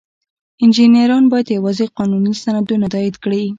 انجینران باید یوازې قانوني سندونه تایید کړي.